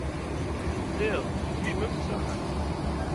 D iḍ, kecmemt s axxam.